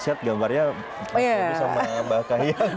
t shirt gambarnya sama mbak kahyang